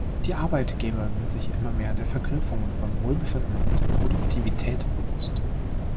Die Arbeitgeber sind sich immer mehr der Verknüpfungen von Wohlbefinden und Produktivität bewusst.